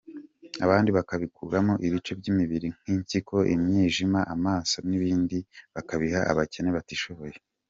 Abandi babakuramo ibice by’imibiri nk’impyiko, imyijima, amaso n’ibindi bakabiha ababikeneye batishoboye.